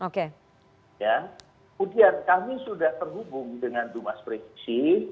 kemudian kami sudah terhubung dengan mas presisi